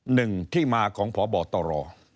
หนึ่งที่มาของพบตร